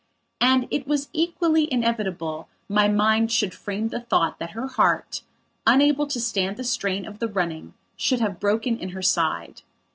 And it was equally inevitable my mind should frame the thought that her heart, unable to stand the strain of the running, should have broken in her side.